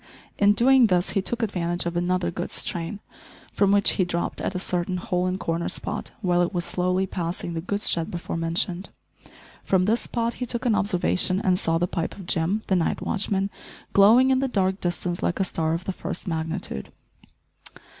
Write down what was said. In doing this he took advantage of another goods train, from which he dropped at a certain hole and corner spot, while it was slowly passing the goods shed before mentioned. From this spot he took an observation and saw the pipe of Jim, the night watchman, glowing in the dark distance like a star of the first magnitude.